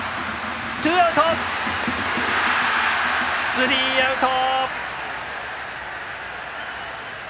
スリーアウト。